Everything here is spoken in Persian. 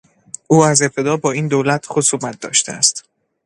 او از ابتدا با این دولت خصومت داشته است.